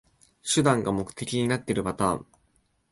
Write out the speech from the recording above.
手段が目的になってるパターン